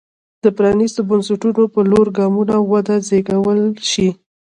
د پرانېستو بنسټونو په لور ګامونه وده زېږولی شي.